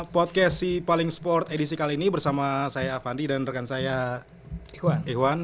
podcast si paling sport edisi kali ini bersama saya avandi dan rekan saya ikhwan